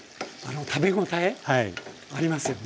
食べ応えありますよね。